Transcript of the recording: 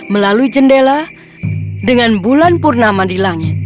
melalui jendela dengan bulan purnama di langit